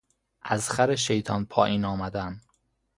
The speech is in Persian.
از خر شیطان پائین آمدن